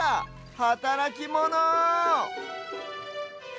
はたらきモノ！